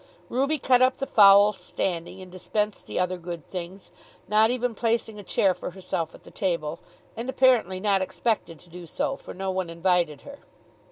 Ruby cut up the fowl standing, and dispensed the other good things, not even placing a chair for herself at the table, and apparently not expected to do so, for no one invited her.